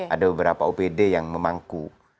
ada beberapa opd yang memangku